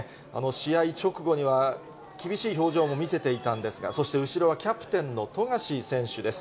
試合直後には厳しい表情も見せていたんですが、そして後ろはキャプテンの富樫選手です。